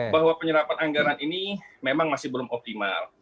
bahwa penyerapan anggaran ini memang masih belum optimal